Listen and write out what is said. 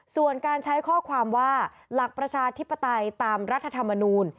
ส่วนการใช้ข้อความว่าหลักประชาธิปไตยตามรัฐธรรมนูล